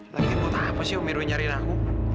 lagian buatan apa sih om irwin nyariin aku